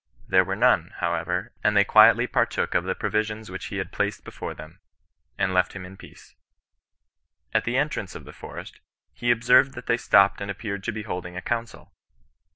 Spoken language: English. There were none, however, and they quietly partook of the provisions which he placed before them, and left him in peace. At the entrance of the forest, he observed that thej stopped and appeared to be holding a council.